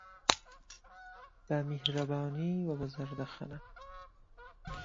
به میهرهبانی و به زهردهخهنه